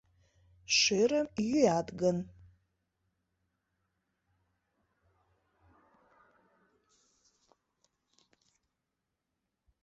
— Шӧрым йӱат гын...